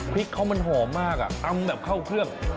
พริกเขามันหอมมากอ่ะตำแบบเข้าเครื่อง